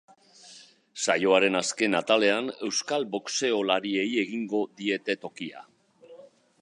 Saioaren azken atalean, euskal boxeolariei egingo diete tokia.